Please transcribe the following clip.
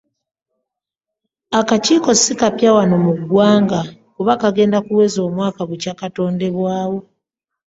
Akakiiko si kapya wano mu ggwanga kubanga kagenda kuweza omwaka bukya katondebwawo.